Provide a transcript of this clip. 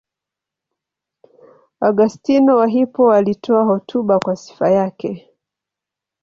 Augustino wa Hippo alitoa hotuba kwa sifa yake.